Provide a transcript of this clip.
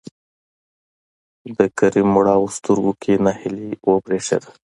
د کريم مړاوو سترګو کې نهيلي وبرېښېده.